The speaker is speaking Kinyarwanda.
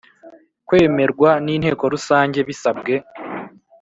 Kwemerwa n inteko Rusange bisabwe